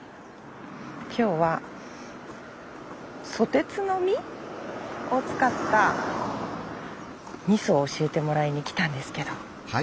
今日はソテツの実を使った味噌を教えてもらいにきたんですけど。